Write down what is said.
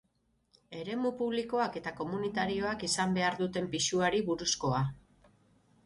Eremu publikoak eta komunitarioak izan behar duten pisuari buruzkoa.